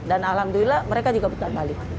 dan alhamdulillah mereka juga putar balik